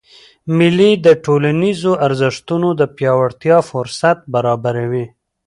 مېلې د ټولنیزو ارزښتونو د پیاوړتیا فُرصت برابروي.